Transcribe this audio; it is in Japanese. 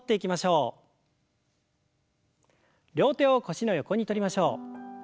両手を腰の横にとりましょう。